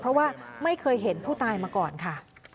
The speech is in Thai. เพราะว่าไม่เคยเห็นผู้ตายมาก่อนค่ะ